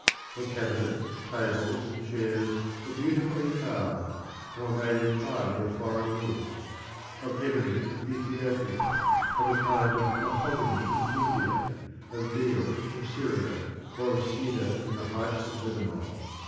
The cabinets, tables, and chairs were beautifully carved, and were made entirely of foreign woods of ebony from Ethiopia, of a kind of mahogany from India, of deal from Syria, or of cedar from the heights of Lebanon.